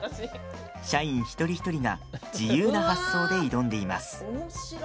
社員一人一人が自由な発想で挑んでいます。